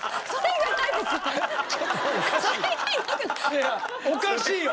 いやいやおかしいよ！